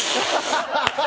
ハハハハ！